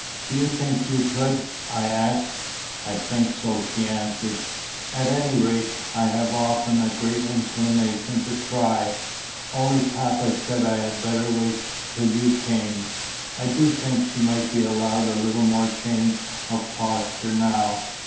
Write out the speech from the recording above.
'Do you think you could?' I asked. 'I think so,' she answered. 'At any rate, I have often a great inclination to try; only papa said I had better wait till you came.' I do think she might be allowed a little more change of posture now."